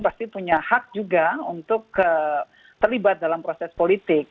pasti punya hak juga untuk terlibat dalam proses politik